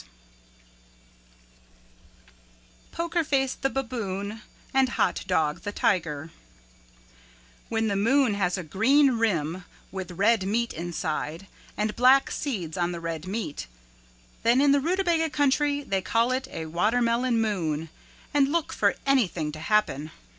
Poker Face the Baboon and Hot Dog the Tiger When the moon has a green rim with red meat inside and black seeds on the red meat, then in the Rootabaga Country they call it a Watermelon Moon and look for anything to happen.